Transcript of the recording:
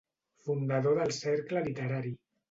Fundador del Cercle Literari.